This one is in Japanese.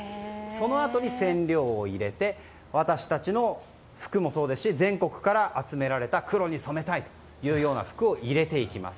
そのあとに染料を入れて私たちの服もそうですし全国から集められた黒に染めたいという服を入れていきます。